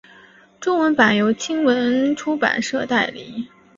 中文版由青文出版社代理。